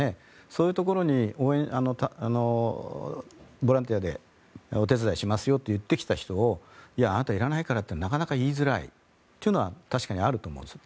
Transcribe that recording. そういうところに応援ボランティアでお手伝いしますと言ってきた人をいや、あなたいらないからとはなかなか言いづらいというのは確かにあると思うんです。